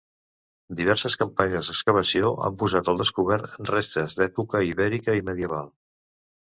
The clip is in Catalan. Diverses campanyes d'excavació han posat al descobert restes d'època ibèrica i medieval.